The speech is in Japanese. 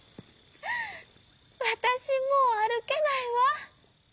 「わたしもうあるけないわ」。